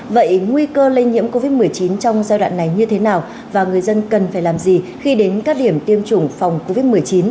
vậy nguy cơ lây nhiễm covid một mươi chín trong giai đoạn này như thế nào và người dân cần phải làm gì khi đến các điểm tiêm chủng phòng covid một mươi chín